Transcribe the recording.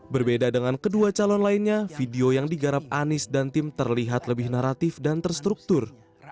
berbeda dengan kedua calon lainnya video yang digarap anies dan tim terlihat lebih naratif dan terstruktur